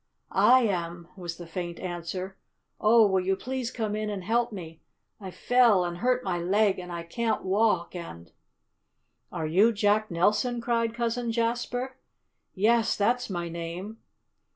"I am," was the faint answer. "Oh, will you please come in and help me. I fell and hurt my leg and I can't walk, and " "Are you Jack Nelson?" cried Cousin Jasper. "Yes, that's my name.